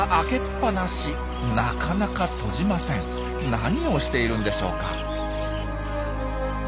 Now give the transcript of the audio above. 何をしているんでしょうか？